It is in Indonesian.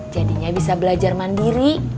jadinya bisa belajar mandiri